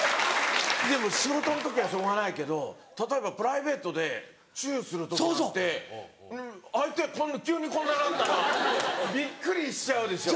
でも仕事の時はしょうがないけど例えばプライベートでチュする時だって相手こんな急にこんななったらびっくりしちゃうでしょ。